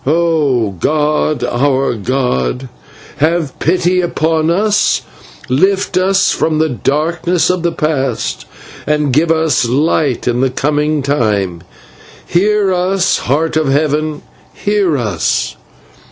O god, our god, have pity upon us, lift us from the darkness of the past, and give us light in the coming time. Hear us, Heart of Heaven, hear us!"